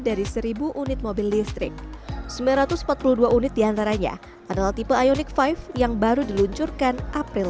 dari seribu unit mobil listrik sembilan ratus empat puluh dua unit diantaranya adalah tipe ioniq lima yang baru diluncurkan april